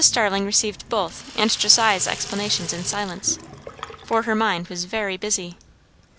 Starling received both and Josiah's explanations in silence, for her mind was very busy.